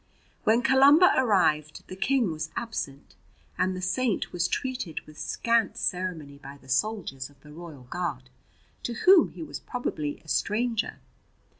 When Columba arrived the King was absent, and the Saint was treated with scant ceremony by the soldiers of the royal guard, to whom he was probably a stranger.